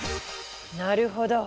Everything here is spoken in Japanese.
なるほど！